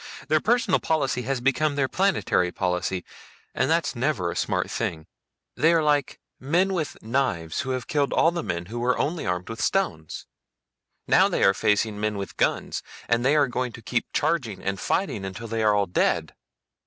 Their personal policy has become their planetary policy and that's never a very smart thing. They are like men with knives who have killed all the men who were only armed with stones. Now they are facing men with guns, and they are going to keep charging and fighting until they are all dead.